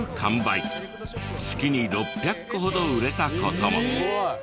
月に６００個ほど売れた事も。